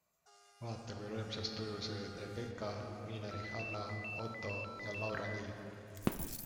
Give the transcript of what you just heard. Vaata, kui rõõmsas tujus olid Rebecca, Miina Rihanna, Otto ja Laura Lee!